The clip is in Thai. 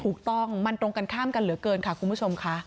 ถูกต้องมันตรงกันข้ามกันเหลือเกินค่ะคุณผู้ชมค่ะ